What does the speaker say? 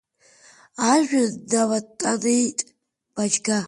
Ажәҩан днаматанеиит Баџьга.